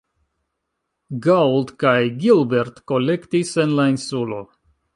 Gould kaj Gilbert kolektis en la insulo.